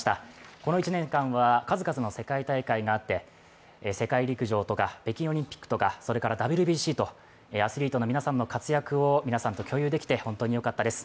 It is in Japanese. この１年間は数々の世界大会があって、世界陸上とかＷＢＣと、アスリートの皆さんの活躍を皆さんと共有できて、本当によかったです。